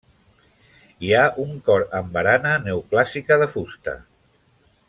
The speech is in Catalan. Hi ha un cor amb barana neoclàssica de fusta.